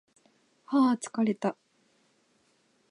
はー疲れた